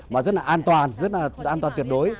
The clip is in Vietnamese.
mà rất là an toàn rất là an toàn tuyệt đối